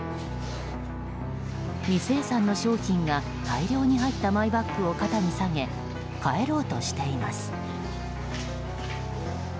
未清算の商品が大量に入ったマイバッグを肩に提げ、帰ろうとしています。